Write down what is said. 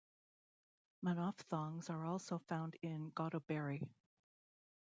Monophthongs are also found in Godoberi.